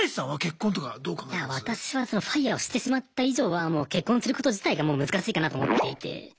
いや私はＦＩＲＥをしてしまった以上はもう結婚すること自体がもう難しいかなと思っていて。